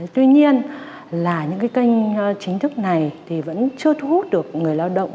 tuy nhiên là những cái kênh chính thức này thì vẫn chưa thu hút được người lao động